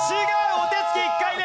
お手つき１回目。